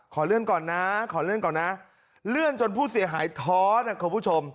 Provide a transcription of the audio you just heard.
ขอเลื่อนก่อนนะขอเลื่อนก่อนนะเลื่อนจนผู้เสียหายท้อนะคุณผู้ชม